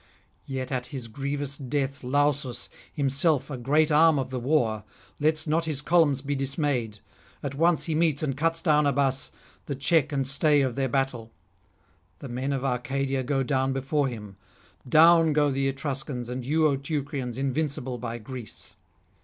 Yet at his grievous death Lausus, himself a great arm of the war, lets not his columns be dismayed; at once he meets and cuts down Abas, the check and stay of their battle. The men of Arcadia go down before him; down go the Etruscans, and you, O Teucrians, invincible by Greece.